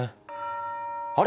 あれ？